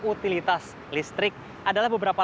utilitas listrik adalah beberapa